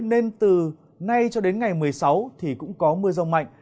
nên từ nay cho đến ngày một mươi sáu thì cũng có mưa rông mạnh